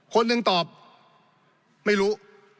คนหนึ่งตอบไม่รู้